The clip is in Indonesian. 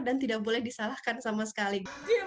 dan tidak boleh disalahkan sama sekali